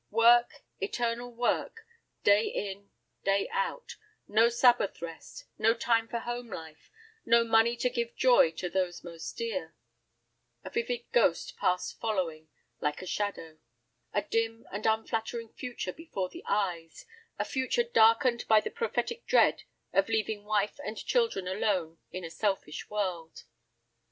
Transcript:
Work, eternal work, day in, day out; no Sabbath rest, no time for home life, no money to give joy to those most dear. A vivid ghost past following, like a shadow. A dim and unflattering future before the eyes, a future darkened by the prophetic dread of leaving wife and children alone in a selfish world.